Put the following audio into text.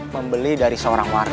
membeli dari seorang warga